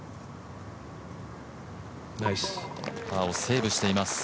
パーをセーブしています。